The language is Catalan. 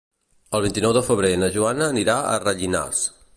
El vint-i-nou de febrer na Joana anirà a Rellinars.